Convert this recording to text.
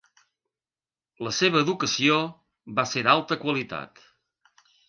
La seva educació va ser d'alta qualitat.